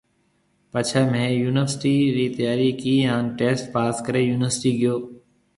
پچي مهيَ يونِيورسٽِي رِي تيارِي ڪِي هانَ ٽسٽ پاس ڪري يونِيورسٽِي گيو۔